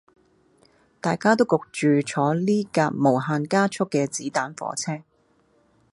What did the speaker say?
大家都焗住坐呢架無限加速嘅子彈火車